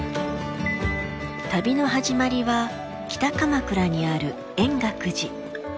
旅の始まりは北鎌倉にある円覚寺。